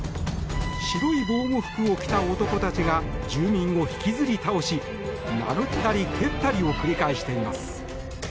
白い防護服を着た男たちが住民を引きずり倒し殴ったり蹴ったりを繰り返しています。